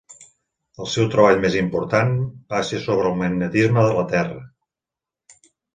El seu treball més important va ser sobre el magnetisme de la Terra.